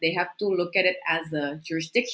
mereka harus melihatnya sebagai jurisdiksi